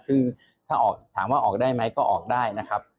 ซึ่งถ้าออกถามว่าออกได้ไหมก็ออกได้นะครับ